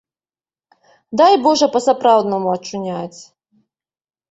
Дай божа па-сапраўднаму ачуняць.